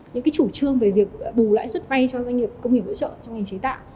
những chủ trương về việc bù lãi suất vay cho doanh nghiệp công nghiệp hỗ trợ trong ngành chế tạo